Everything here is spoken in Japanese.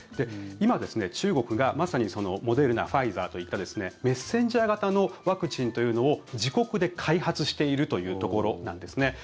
今、中国がまさにモデルナ、ファイザーといったメッセンジャー型のワクチンというのを自国で開発しているというところなんですね。